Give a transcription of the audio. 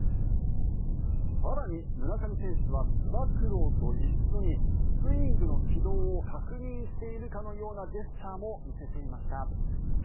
更に、村上選手はつば九郎と一緒にスイングの軌道を確認しているかのようなジェスチャーも見せていました。